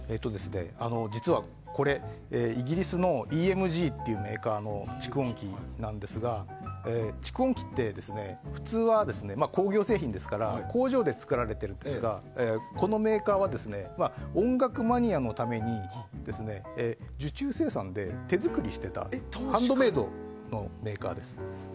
実は、これはイギリスのＥＭＧというメーカーの蓄音機なんですが蓄音機って、普通は工業製品ですから工場で作られているんですがこのメーカーは音楽マニアのために受注生産で手作りしてたハンドメイドです。